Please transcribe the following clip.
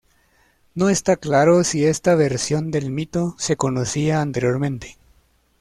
No está claro si esta versión del mito se conocía anteriormente.